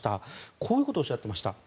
こういうことをおっしゃっていました。